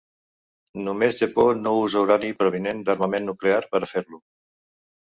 Només Japó no usa urani provinent d'armament nuclear per a fer-lo.